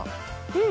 うん。